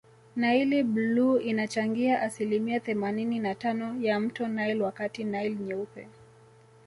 Naili bluu inachangia asilimia themanini na tano ya mto nile wakati nile nyeupe